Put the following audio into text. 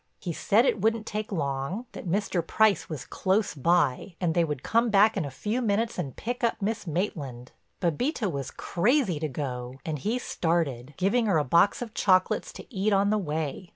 He said it wouldn't take long, that Mr. Price was close by, and they would come back in a few minutes and pick up Miss Maitland. Bébita was crazy to go, and he started, giving her a box of chocolates to eat on the way.